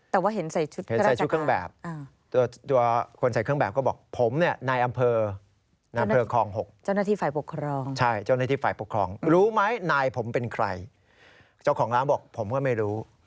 แต่ว่าเห็นใส่ชุดพระราชนาการ